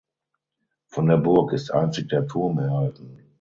Von der Burg ist einzig der Turm erhalten.